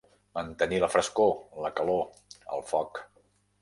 Mantenir la frescor, la calor, el foc.